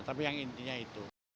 tapi yang intinya itu